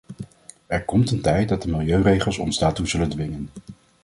Er komt een tijd dat de milieuregels ons daartoe zullen dwingen.